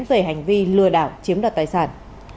về hành vi lừa đảo chiếm đoạt tài sản